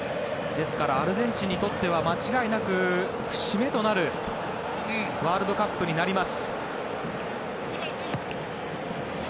ですからアルゼンチンにとって間違いなく節目となるワールドカップになります。